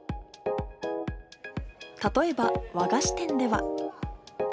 例えば、和菓子店では。